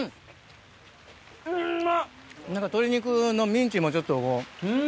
ミンチもちょっとこう。